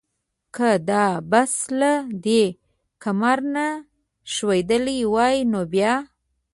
که دا بس له دې کمر نه ښویېدلی وای نو بیا؟